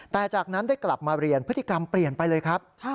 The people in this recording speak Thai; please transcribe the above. แต่จากนั้นได้กลับมาเรียนพฤติกรรมเปลี่ยนไปเลยครับ